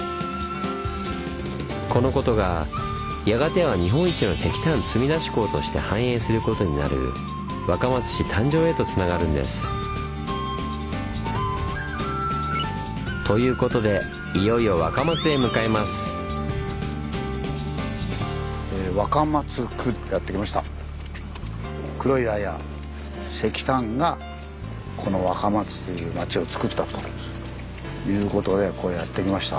このことがやがては日本一の石炭積み出し港として繁栄することになる若松市誕生へとつながるんです。ということでいよいよ若松へ向かいます！ということでここへやって来ました。